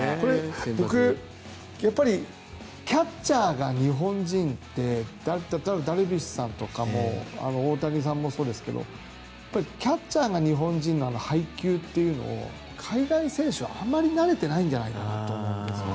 僕、やっぱりキャッチャーが日本人って例えばダルビッシュさんとかも大谷さんもそうですけどやっぱりキャッチャーが日本人の配球というのを海外選手はあまり慣れてないんじゃないかなと。